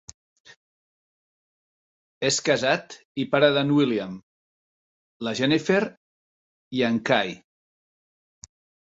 És casat i pare d'en William, la Jennifer i en Ky.